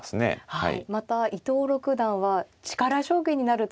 はい。